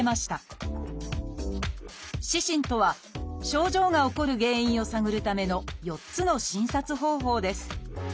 「四診」とは症状が起こる原因を探るための４つの診察方法です。